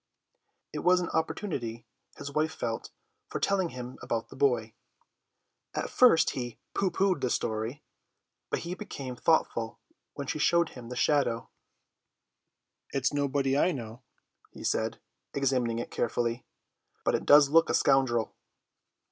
It was an opportunity, his wife felt, for telling him about the boy. At first he pooh poohed the story, but he became thoughtful when she showed him the shadow. "It is nobody I know," he said, examining it carefully, "but it does look a scoundrel."